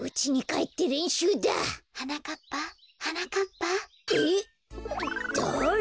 えっ？だれ？